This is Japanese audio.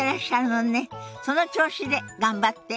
その調子で頑張って。